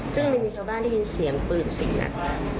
ซึ่งมันมีชาวบ้านได้ยินเสียงปืน๔นัด